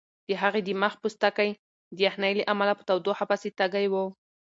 د هغې د مخ پوستکی د یخنۍ له امله په تودوخه پسې تږی و.